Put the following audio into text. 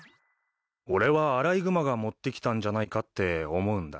俺はアライグマが持ってきたんじゃないかって思うんだ。